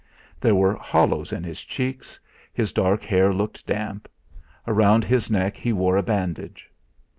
There were hollows in his cheeks, his dark hair looked damp; around his neck he wore a bandage.